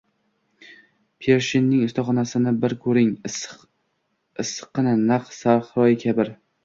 Pershinning ustaxonasini bir koʻring, issiqqina, naq Sahroyi Kabir.